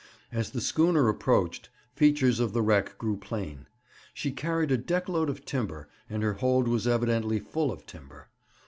As the schooner approached, features of the wreck grew plain. She carried a deck load of timber, and her hold was evidently full of timber.